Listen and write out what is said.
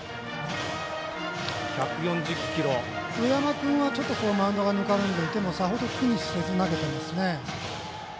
上山君はマウンドがぬかるんでいてもさほど気にせず投げてますね。